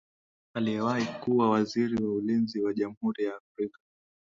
aliyewahii kuwa waziri wa ulinzi wa jamhuri ya afrika